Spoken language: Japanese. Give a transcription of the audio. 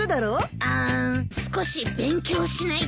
うん少し勉強しないと。